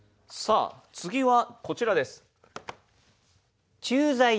次はこちらです。